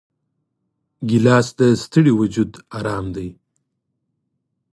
ګیلاس د ستړي وجود آرام دی.